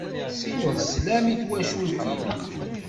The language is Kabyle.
Siweḍ sslam i twacult-im.